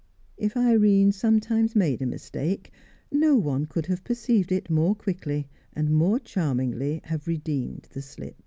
If Irene sometimes made a mistake, no one could have perceived it more quickly, and more charmingly have redeemed the slip.